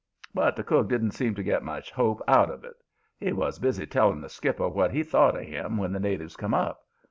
"But the cook didn't seem to get much hope out of it. He was busy telling the skipper what he thought of him when the natives come up.